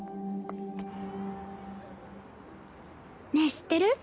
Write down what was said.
ねえ知ってる？